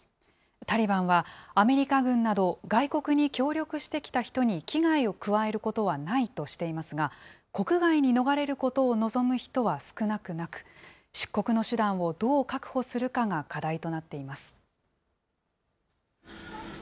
タリバンは、アメリカ軍など、外国に協力してきた人に危害を加えることはないとしていますが、国外に逃れることを望む人は少なくなく、出国の手段をどう確保するかが課題となっています。